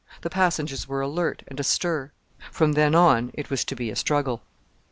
The passengers were alert and astir. From then on it was to be a struggle.